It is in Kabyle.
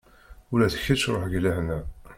Ula d kečč ruḥ deg lehna.